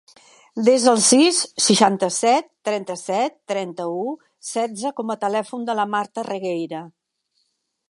Desa el sis, seixanta-set, trenta-set, trenta-u, setze com a telèfon de la Marta Regueira.